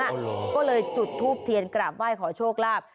อ๋อเหรอก็เลยจุดทูฟเทียนกราบว่าให้ขอโชคลาภ